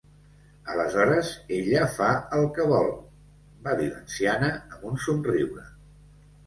"Aleshores, ella fa el que vol", va dir l'anciana, amb un somriure.